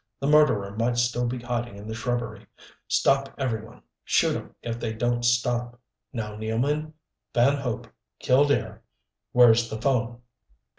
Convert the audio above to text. The murderer might still be hiding in the shrubbery. Stop every one shoot 'em if they don't stop. Now Nealman, Van Hope, Killdare where's the phone?"